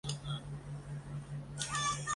类短肋黄耆是豆科黄芪属的植物。